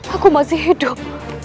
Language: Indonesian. aku masih hidup